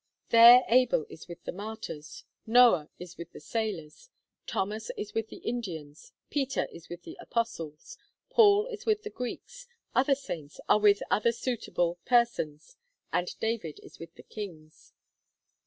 There Abel is with the martyrs, Noah is with the sailors, Thomas is with the Indians, Peter is with the apostles, Paul is with the Greeks, other saints are with other suitable persons, and David is with the kings.